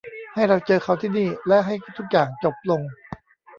ให้เราเจอเขาที่นี่และให้ทุกอย่างจบลง